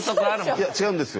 いや違うんですよ